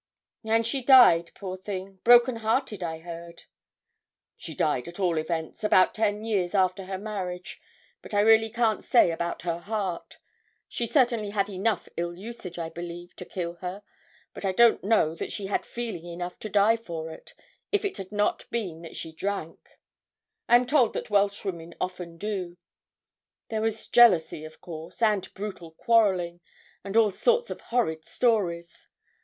'And she died, poor thing, broken hearted, I heard.' 'She died, at all events, about ten years after her marriage; but I really can't say about her heart. She certainly had enough ill usage, I believe, to kill her; but I don't know that she had feeling enough to die of it, if it had not been that she drank: I am told that Welsh women often do. There was jealousy, of course, and brutal quarrelling, and all sorts of horrid stories.